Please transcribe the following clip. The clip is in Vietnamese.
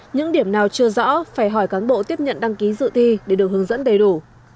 những điểm nào chưa rõ phải hỏi cán bộ tiếp nhận đăng ký dự thi để được hướng dẫn đầy đủ